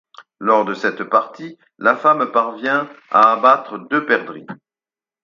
Lors de cette partie, la femme parvient à abattre deux perdrix.